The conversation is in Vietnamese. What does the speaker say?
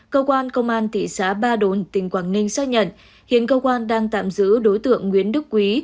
cơ quan công an thị xã ba đồn tỉnh quảng ninh xác nhận hiện cơ quan đang tạm giữ đối tượng nguyễn đức quý